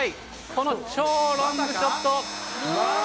この超ロングショット。